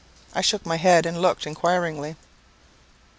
I shook my head, and looked inquiringly.